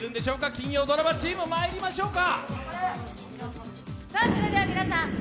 金曜ドラマチームまいりましょうか。